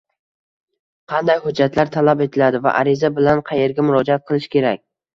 qanday hujjatlar talab etiladi va ariza bilan qayerga murojaat qilish kerak?